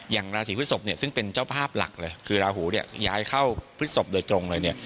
อย่างราศีพฤศพเนี่ยซึ่งเป็นเจ้าภาพหลักเลยคือราหูเนี่ยย้ายเข้าพฤศพโดยตรงเลยเนี่ย